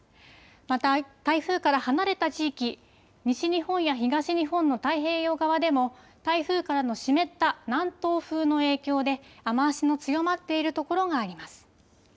また、台風から離れた地域、西日本や東日本の太平洋側でも、台風からの湿った南東風の影響で、雨足の強まっている所があります。